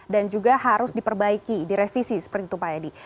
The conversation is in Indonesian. dan juga harus diperbaiki direvisi seperti itu pak edi